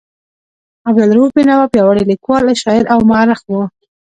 عبدالرؤف بېنوا پیاوړی لیکوال، شاعر او مورخ و.